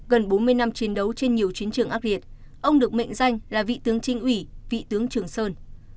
gần bốn mươi năm chiến đấu trên nhiều chiến trường ác liệt ông được mệnh danh là vị tướng trinh ủy vị tướng trường sơn